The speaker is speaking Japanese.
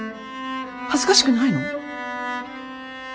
恥ずかしくないの？